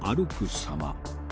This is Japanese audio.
様